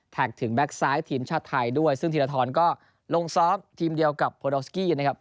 ถึงแบ็คซ้ายทีมชาติไทยด้วยซึ่งธีรทรก็ลงซ้อมทีมเดียวกับโพดอลสกี้นะครับ